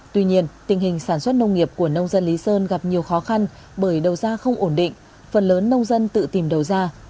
tuy nhiên tình hình sản xuất nông nghiệp của nông dân lý sơn gặp nhiều khó khăn bởi đầu ra không ổn định phần lớn nông dân tự tìm đầu ra